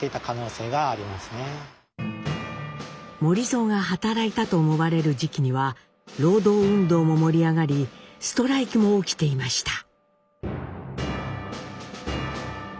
守造が働いたと思われる時期には労働運動も盛り上がりストライキも起きていました。